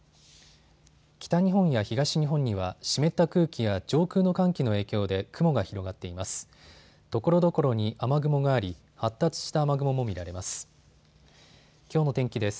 北日本や東日本には湿った空気や上空の寒気の影響で雲が広がっています。